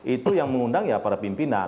itu yang mengundang ya para pimpinan